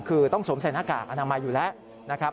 คือต้องสวมใส่หน้ากากอนามัยอยู่แล้วนะครับ